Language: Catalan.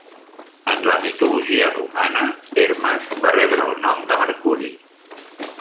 En la mitologia romana, Hermes va rebre el nom de Mercuri.